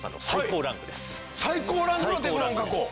最高ランクのテフロン加工。